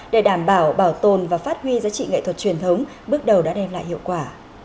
để đảm bảo bảo tồn và phát huy giá trị nghệ thuật truyền thống bước đầu đã đem lại hiệu quả